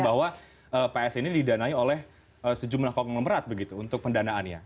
bahwa ps ini didanai oleh sejumlah konglomerat begitu untuk pendanaannya